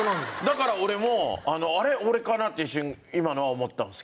だから俺も「あれ俺かな？」って一瞬今のは思ったんですけど。